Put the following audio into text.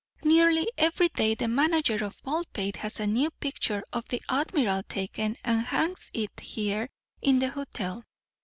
Nearly every day the manager of Baldpate has a new picture of the admiral taken, and hangs it here in the hotel.